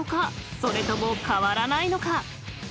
それとも変わらないのか］